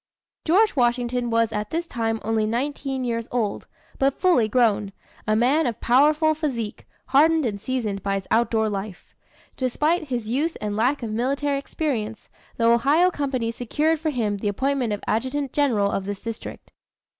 George Washington was at this time only nineteen years old, but fully grown a man of powerful physique, hardened and seasoned by his outdoor life. Despite his youth and lack of military experience, the Ohio Company secured for him the appointment of adjutant general of this district.